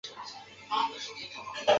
他才有发展的空间